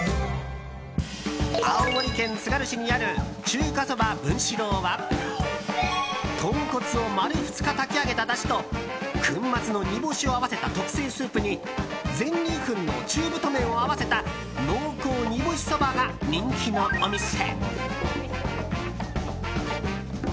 青森県つがる市にある中華そば文四郎は豚骨を丸２日炊き上げただしと粉末の煮干しを合わせた特製スープに全粒粉の中太麺を合わせた濃厚煮干しそばが人気のお店。